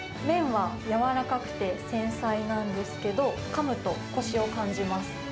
麺は柔らかくて繊細なんですけど、かむとこしを感じます。